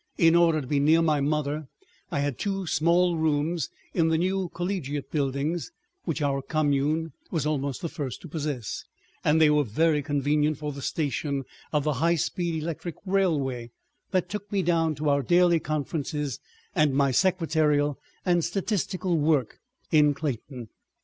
In order to be near my mother I had two small rooms in the new collegiate buildings which our commune was almost the first to possess, and they were very convenient for the station of the high speed electric railway that took me down to our daily conferences and my secretarial and statistical work in Clayton.